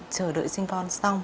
chờ đợi sinh con xong